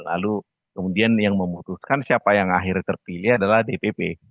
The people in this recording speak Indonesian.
lalu kemudian yang memutuskan siapa yang akhirnya terpilih adalah dpp